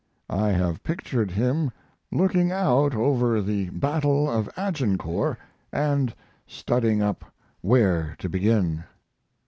I have pictured him looking out over the battle of Agincourt and studying up where to begin.